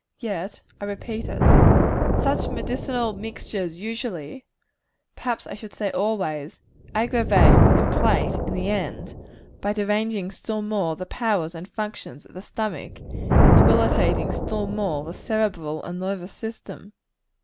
Yet, I repeat it, such medicinal mixtures usually perhaps I should say always aggravate the complaint in the end, by deranging still more the powers and functions of the stomach, and debilitating still more the cerebral and nervous system.